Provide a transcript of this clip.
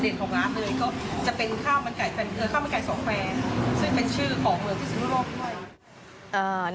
ซึ่งเป็นชื่อของเมืองที่สูงร่วมด้วย